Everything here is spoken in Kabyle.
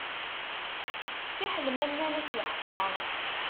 Fiḥel ma nnan-as, yeḥṣa.